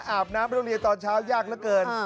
อาบน้ำแล้วเรียนตอนเช้ายากเหลือเกิน